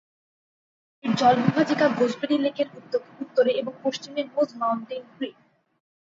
এর জলবিভাজিকা গোজবেরি লেকের উত্তরে এবং পশ্চিমে মোজ মাউন্টেন ক্রিক।